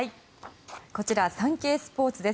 こちらサンケイスポーツです。